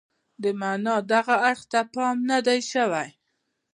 د معنا دغه اړخ ته پام نه دی شوی.